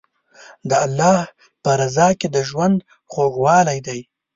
د الله په رضا کې د ژوند خوږوالی دی.